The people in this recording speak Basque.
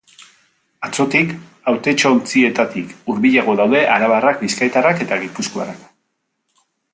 Atzotik, hautetsontzietatik hurbilago daude arabarrak, bizkaitarrak eta gipuzkoarrak.